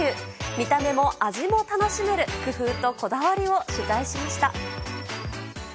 見た目も味も楽しめる、工夫とこだわりを取材しました。